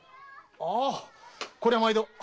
ああこりゃ毎度。